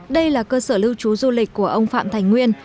đây là cơ sở lưu trú du lịch của ông phạm thành nguyên